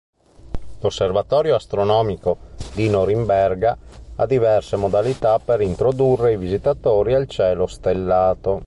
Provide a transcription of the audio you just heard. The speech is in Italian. L'osservatorio astronomico di Norimberga ha diverse modalità per introdurre i visitatori al cielo stellato.